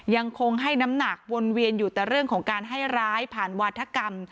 ยังคงให้น้ำหนักวนเวียนอยู่แต่เรื่องของการให้ร้ายผ่านวาธกรรม